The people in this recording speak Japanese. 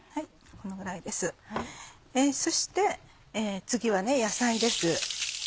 そして次は野菜です。